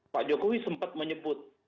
pak jokowi sempat menyebut